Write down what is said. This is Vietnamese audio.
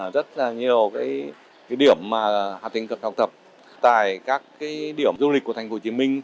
rất là nhiều điểm học tập tại các điểm du lịch của tp hcm